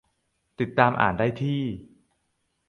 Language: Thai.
- ติดตามอ่านได้ที่